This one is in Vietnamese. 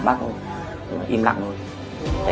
bác im lặng thôi